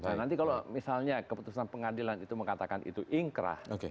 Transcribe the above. nah nanti kalau misalnya keputusan pengadilan itu mengatakan itu ingkrah